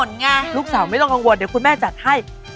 ลูกสาวไม่ต้องกังวลเดี๋ยวคุณแม่จัดให้